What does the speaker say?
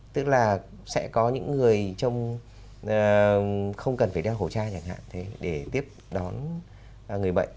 tức là sẽ có những người không cần phải đeo khẩu tra chẳng hạn để tiếp đón người bệnh